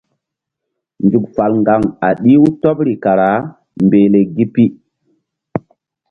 Nzuk fal ŋgaŋ a ɗih-u tɔbri kara mbehle gi pi.